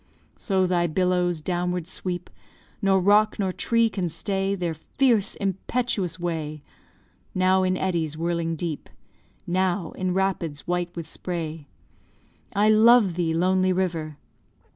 So thy billows downward sweep, Nor rock nor tree can stay Their fierce, impetuous way; Now in eddies whirling deep, Now in rapids white with spray. I love thee, lonely river!